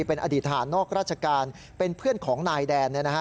เป็นอดีตฐานนอกราชการเป็นเพื่อนของนายแดน